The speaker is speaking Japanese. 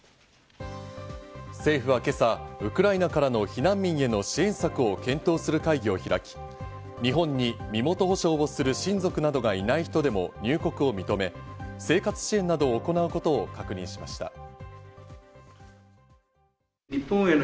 政府は今朝、ウクライナからの避難民への支援策を検討する会議を開き、日本に身元保証をする親族などがいない人でも入国を認め、生活支援などを行うことを確認しました。